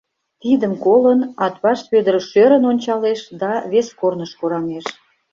Тидым колын, Атбаш Вӧдыр шӧрын ончалеш да вес корныш кораҥеш.